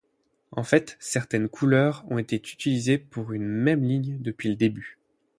En fait, certaines couleurs ont été utilisées pour une même ligne depuis le début.